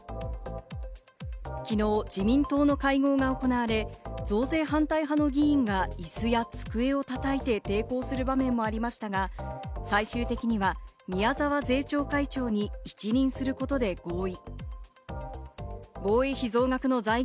昨日、自民党の会合が行われ、増税反対派の議員がイスや机をたたいて抵抗する場面もありましたが、最終的には宮沢税調会長に一任することで合意。